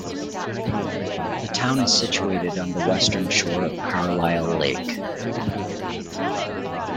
The town is situated on the western shore of Carlyle Lake.